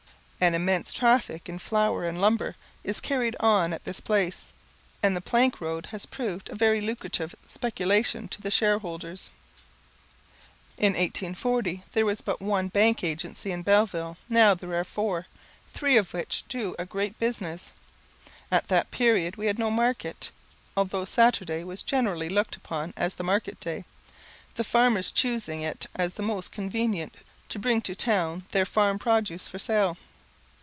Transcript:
An immense traffic in flour and lumber is carried on at this place, and the plank road has proved a very lucrative speculation to the shareholders. In 1840, there was but one bank agency in Belleville, now there are four, three of which do a great business. At that period we had no market, although Saturday was generally looked upon as the market day; the farmers choosing it as the most convenient to bring to town their farm produce for sale.